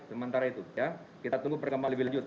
sementara itu ya kita tunggu perkembangan lebih lanjut